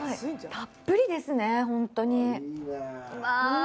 たっぷりですね、本当に。